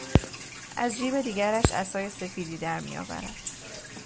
از جیب دیگرش عصای سفیدی درمیآورد